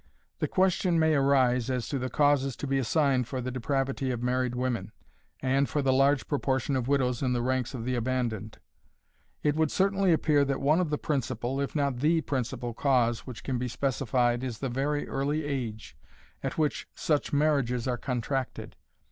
The question may arise as to the causes to be assigned for the depravity of married women, and for the large proportion of widows in the ranks of the abandoned. It would certainly appear that one of the principal, if not the principal cause which can be specified is the very early age at which such marriages are contracted.